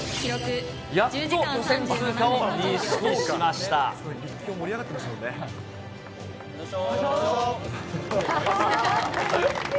やっと予選通過を認識しましあざした。